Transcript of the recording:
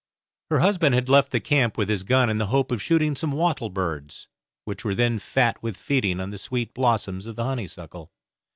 Her husband had left the camp with his gun in the hope of shooting some wattle birds, which were then fat with feeding on the sweet blossoms of the honeysuckle.